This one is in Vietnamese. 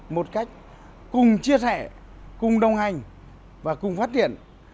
một cách cùng chia sẻ cùng đồng hành và cùng phát triển